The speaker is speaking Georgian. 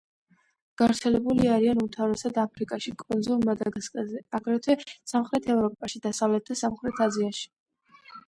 გავრცელებული არიან უმთავრესად აფრიკაში, კუნძულ მადაგასკარზე, აგრეთვე სამხრეთ ევროპაში, დასავლეთ და სამხრეთ აზიაში.